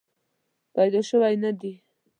پیدا شوې نه دي.